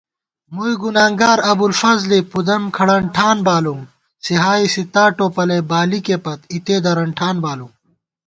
مُوئی گنانگار ابُوالفضلےپُدم کھڑَن ٹھان بالُوم * صحاحِ ستّا ٹوپَلَئی بالِکےپت اِتےدرَن ٹھان بالُوم